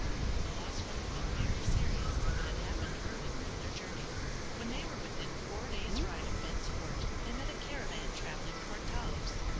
The loss would have been very serious if it had happened earlier in their journey. When they were within four days' ride of Bent's Fort they met a caravan traveling toward Taos.